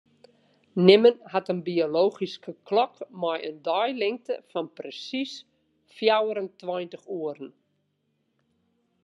Nimmen hat in biologyske klok mei in deilingte fan persiis fjouwerentweintich oeren.